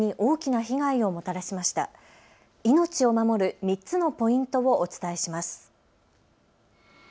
命を守る３つのポイントをお伝えします。